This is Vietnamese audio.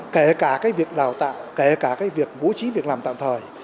kể cả việc đào tạo kể cả việc bố trí việc làm tạm thời